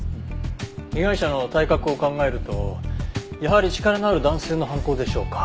被害者の体格を考えるとやはり力のある男性の犯行でしょうか？